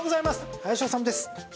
林修です。